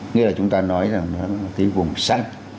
nghĩa là chúng ta nói là tỷ lệ vùng xanh